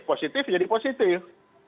positif jadi positif